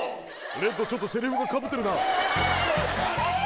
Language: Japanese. レッド、ちょっとせりふがかぶってるな。